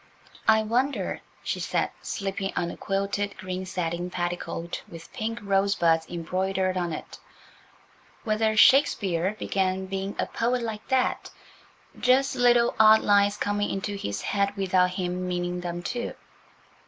"I wonder," she said, slipping on a quilted green satin petticoat with pink rosebuds embroidered on it, "whether Shakespeare began being a poet like that–just little odd lines coming into his head without him meaning them to."